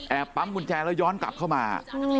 ปั๊มกุญแจแล้วย้อนกลับเข้ามา